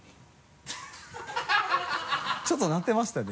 ちょっと鳴ってましたね